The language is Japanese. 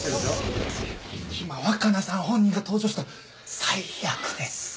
今若菜さん本人が登場したら最悪です。